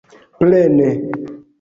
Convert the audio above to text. plene